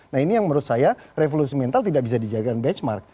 nah ini yang menurut saya revolusi mental tidak bisa dijadikan benchmark